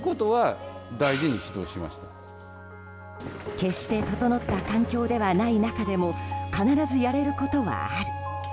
決して整った環境ではない中でも必ずやれることはある。